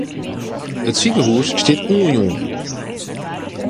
It sikehús stiet oanjûn.